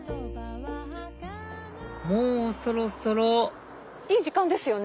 もうそろそろいい時間ですよね。